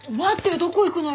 どこ行くのよ？